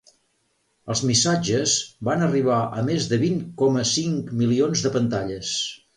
Els missatges van arribar a més de vint coma cinc milions de pantalles.